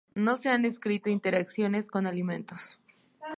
No se han descrito interacciones con alimentos.